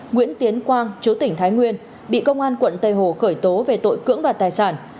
nguyễn tiến quang chú tỉnh thái nguyên bị công an quận tây hồ khởi tố về tội cưỡng đoạt tài sản